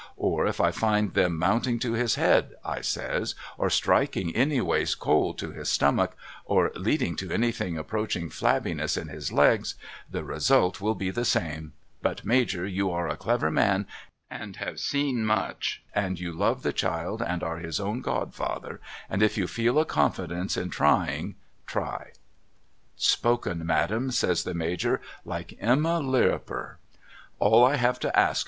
Or if I find them mounting to his head ' I says, ' or striking anyAvays cold to his stomach or leading to anything approaching flabbiness in his legs, the result will be the same, but Major you are a clever man and have seen much and you love the child and are his own godfather, and if you feel a confidence in trying try.' ' Spoken Madam ' says the Major ' like Emma Lirriper. All I have to ask.